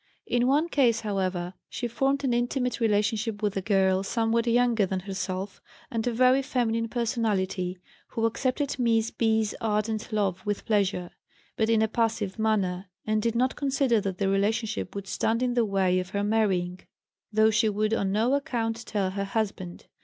In one case, however, she formed an intimate relationship with a girl somewhat younger than herself, and a very feminine personality, who accepted Miss B.'s ardent love with pleasure, but in a passive manner, and did not consider that the relationship would stand in the way of her marrying, though she would on no account tell her husband.